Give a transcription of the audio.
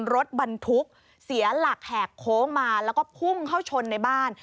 รถบรรทุกเสียหลักแหกโค้งมาแล้วก็พุ่งเข้าชนในบ้าน